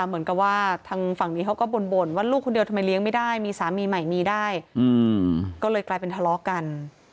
เหมือนกับว่าทางฝั่งนี้เขาก็บ่นว่าลูกคนเดียวทำไมเลี้ยงไม่ได้มีสามีใหม่มีได้ก็เลยกลายเป็นทะเลาะกัน